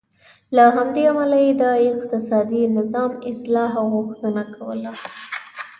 له همدې امله یې د اقتصادي نظام اصلاح غوښتنه کوله.